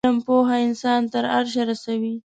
علم پوه انسان تر عرشه رسوی